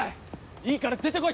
いいから出てこい！